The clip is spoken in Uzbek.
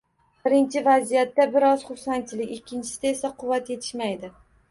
Birinchi vaziyatda bir oz xursandchilik, ikkinchisida esa – quvvat yetishmaydi.